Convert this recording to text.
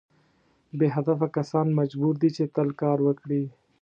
بې هدفه کسان مجبور دي چې تل کار وکړي.